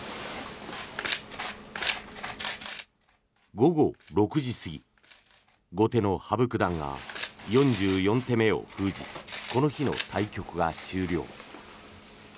午後６時過ぎ後手の羽生九段が４４手目を封じこの日の対局が終了。